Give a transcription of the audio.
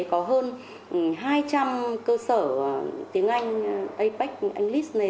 có hơn hai trăm linh cơ sở tiếng anh apec english này